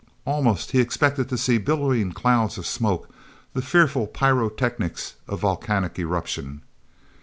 Almost he expected to see billowing clouds of smoke, the fearful pyrotechnics of volcanic eruption.